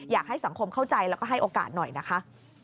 อยากให้สังคมเข้าใจแล้วก็ให้โอกาสหน่อยนะคะ